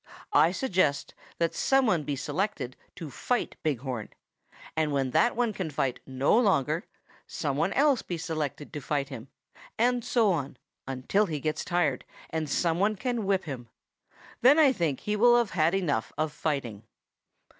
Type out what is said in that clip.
I suggest that some one be selected to fight Big Horn, and when that one can fight no longer, some one else be selected to fight him, and so on until he gets tired, and some one can whip him. Then I think he will have had enough of fighting.'